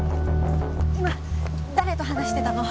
今誰と話してたの？